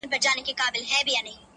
سپي به سمدستي ځغستل د هغه لور ته٫